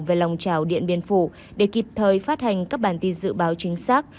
về lòng trào điện biên phủ để kịp thời phát hành các bản tin dự báo chính xác